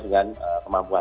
baiklah baiklah baiklah